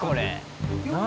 何？